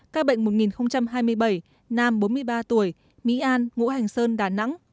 các bệnh một hai mươi bảy nam bốn mươi ba tuổi mỹ an ngũ hành sơn đà nẵng